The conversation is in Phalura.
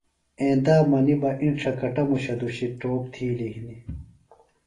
ایندا منیۡ بہ اِنڇہ کٹموشہ دُشیۡ ٹوپ تِھیلیۡ ہنیۡ